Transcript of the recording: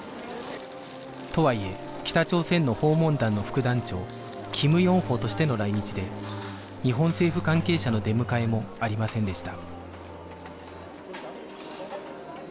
とはいえ北朝鮮の訪問団の副団長金英浩としての来日で日本政府関係者の出迎えもありませんでした